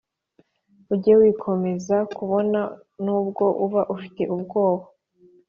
ujye wikomeza kabone nubwo uba ufite ubwoba